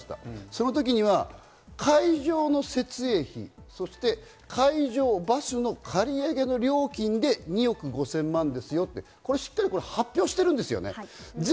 そのときには会場の設営費、そして会場・バスの借り上げ料金に２億５０００万円ですよと、しっかりと発表しているんですよね。